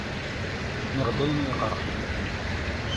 Nniɣ-d ayen i iyi-iqerḥen.